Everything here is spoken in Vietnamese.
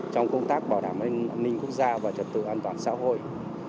trong công tác bảo đảm an ninh quốc gia và trật tự an toàn xã hội